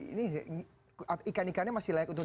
ini ikan ikannya masih layak untuk dipakai